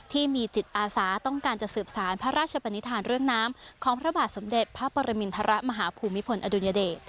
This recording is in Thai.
ที่มีจิตอาสาต้องการจะสืบสารพระราชปนิษฐานเรื่องน้ำของพระบาทสมเด็จพระปรมินทรมาฮภูมิพลอดุญเดช